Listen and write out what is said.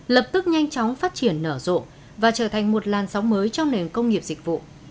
lập tức nhanh chóng phát triển nở rộ và trở thành một làn sóng mới trong nền công nghiệp dịch vụ